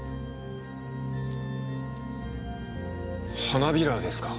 花びらですか。